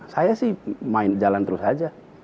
saya sih jalan terus saja